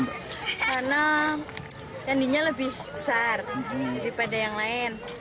karena candinya lebih besar daripada yang lain